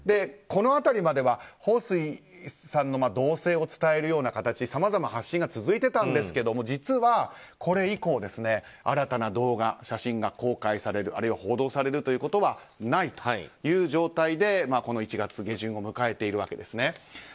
この辺りまではホウ・スイさんの動静を伝えるような形さまざま発信が続いていたんですが、これ以降新たな動画、写真が公開されるあるいは報道されることはないという状態でこの１月下旬を迎えているわけです。